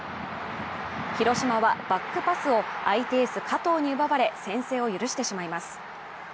広島はバックパスを相手エース加藤に奪われ、先制を許してしまいます。